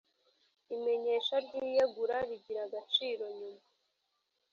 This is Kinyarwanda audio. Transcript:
imenyesha ry iyegura rigira agaciro nyuma